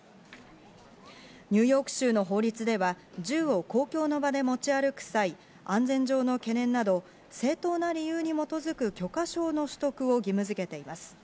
ニューヨーク州の法律では、銃を公共の場で持ち歩く際、安全上の懸念など正当な理由に基づく許可証の取得を義務づけています。